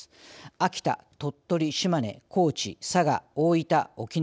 秋田、鳥取、島根高知、佐賀、大分、沖縄。